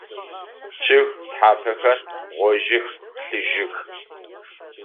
Чъыг тхьапэхэр гъожьых, плъыжьых.